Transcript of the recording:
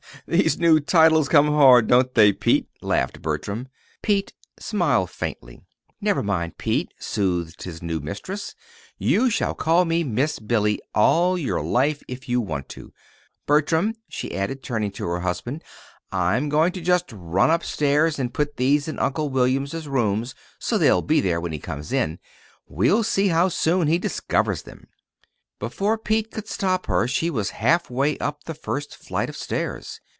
"These new titles come hard, don't they, Pete?" laughed Bertram. Pete smiled faintly. "Never mind, Pete," soothed his new mistress. "You shall call me 'Miss Billy' all your life if you want to. Bertram," she added, turning to her husband, "I'm going to just run up stairs and put these in Uncle William's rooms so they'll be there when he comes in. We'll see how soon he discovers them!" Before Pete could stop her she was half way up the first flight of stairs.